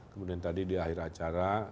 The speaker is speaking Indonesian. kemudian tadi di akhir acara